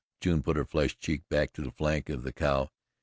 June put her flushed cheek back to the flank of the cow.